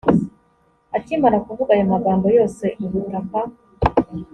akimara kuvuga ayo magambo yose ubutaka